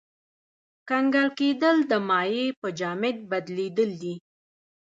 کنګل کېدل د مایع په جامد بدلیدل دي.